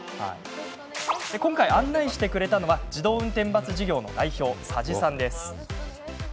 案内してくれたのは自動運転バス事業の代表佐治さんです。